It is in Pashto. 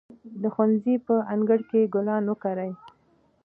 د ښوونځي په انګړ کې ګلان وکرئ.